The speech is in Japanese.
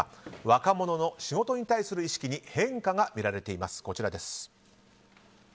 若者の仕事に対する意識に変化がみられています。